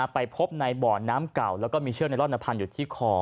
ไปพบในบ่อน้ำเก่าแล้วก็มีเชือกไนลอนพันอยู่ที่คอ